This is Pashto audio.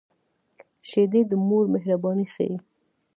شیدې د مور مهرباني ښيي